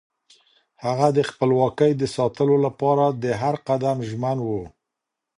هغه د خپلواکۍ د ساتلو لپاره د هر قدم ژمن و.